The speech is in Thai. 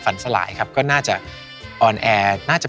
ฝากผลงานหน่อยค่ะ